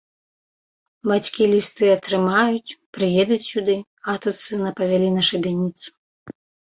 Бацькі лісты атрымаюць, прыедуць сюды, а тут сына павялі на шыбеніцу.